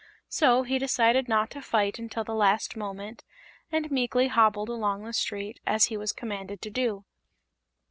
So he decided not to fight until the last moment, and meekly hobbled along the street, as he was commanded to do.